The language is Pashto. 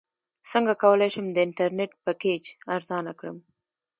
څنګه کولی شم د انټرنیټ پیکج ارزانه کړم